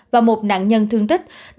và một nạn nhân thương tích